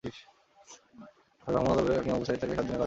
পরে ভ্রাম্যমাণ আদালতের হাকিম আবু সাইদ তাঁকে সাত দিনের কারাদণ্ড দেন।